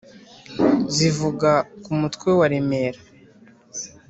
zivuga ku mutwe wa remera